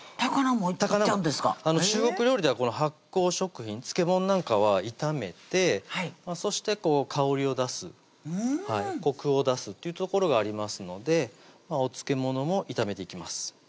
もういっちゃうんですか中国料理ではこの発酵食品漬物なんかは炒めてそしてこう香りを出すこくを出すっていうところがありますのでお漬物も炒めていきます